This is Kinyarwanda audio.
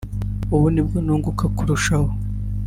ubu ni bwo nunguka kurushaho